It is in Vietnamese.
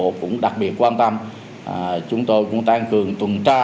chúng tôi cũng đặc biệt quan tâm chúng tôi cũng tăng cường tuần tra